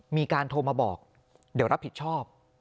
มีการโทรมาบอกเดี๋ยวรับผิดชอบ